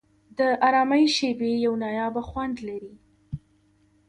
د آرامۍ شېبې یو نایابه خوند لري.